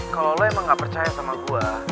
kalau lo emang gak percaya sama gue